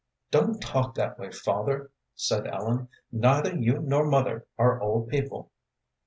"Don't talk that way, father," said Ellen. "Neither you nor mother are old people."